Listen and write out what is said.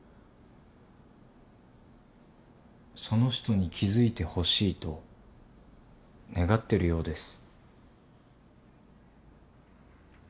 その人に気付いてほしいと願ってるようです。